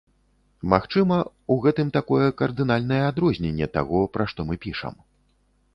Магчыма, у гэтым такое кардынальнае адрозненне таго, пра што мы пішам.